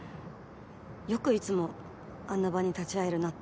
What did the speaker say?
よくいつもあんな場に立ち会えるなって。